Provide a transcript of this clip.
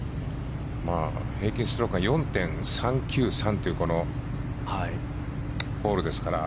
平均ストロークが４．３９３というこのホールですから。